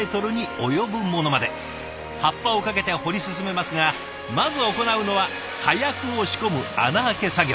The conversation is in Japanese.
発破をかけて掘り進めますがまず行うのは火薬を仕込む穴開け作業。